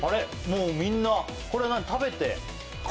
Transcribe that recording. もうみんなこれは何食べて？